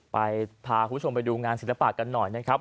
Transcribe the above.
พาคุณผู้ชมไปดูงานศิลปะกันหน่อยนะครับ